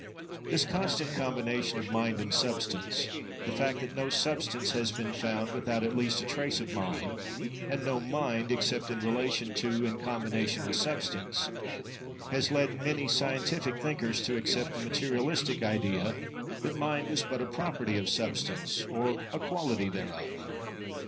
This constant combination of Mind and Substance—the fact that no Substance has been found without at least a trace of Mind, and no Mind except in relation to and combination with Substance, has led many scientific thinkers to accept the Materialistic idea that Mind was but a property of Substance, or a quality thereof.